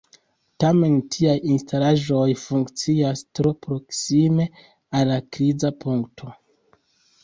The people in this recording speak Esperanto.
Tamen tiaj instalaĵoj funkcias tro proksime al la kriza punkto.